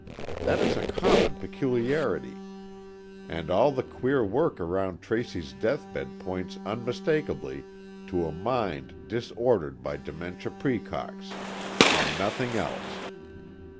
That is a common peculiarity, and all the queer work around Tracy's deathbed points unmistakably to a mind disordered by dementia praecox and nothing else.